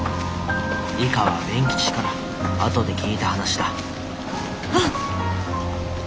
以下は勉吉から後で聞いた話だあっ。